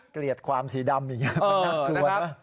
เกลียดความสีดำอย่างนี้มันน่ากลัวนะ